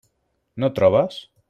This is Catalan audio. No trobes?